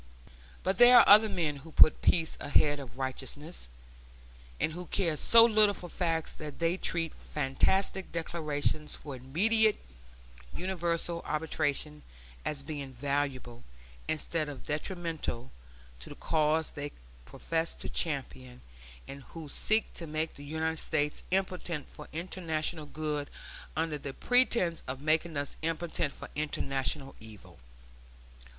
But there are other men who put peace ahead of righteousness, and who care so little for facts that they treat fantastic declarations for immediate universal arbitration as being valuable, instead of detrimental, to the cause they profess to champion, and who seek to make the United States impotent for international good under the pretense of making us impotent for international evil.